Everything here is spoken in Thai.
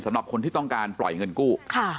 สำหรับคนที่ต้องการปล่อยเงินกู้